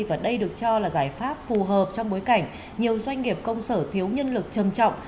và đây được cho là giải pháp phù hợp trong bối cảnh nhiều doanh nghiệp công sở thiếu nhân lực trầm trọng